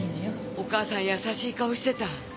お母さん優しい顔してた。